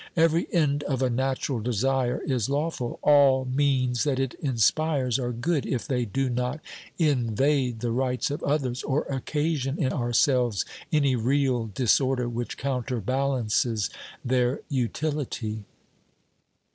Every end of a natural desire is lawful, all means that it inspires are good, if they do not invade the rights of others or occasion in ourselves any real disorder which counterbalances their utility.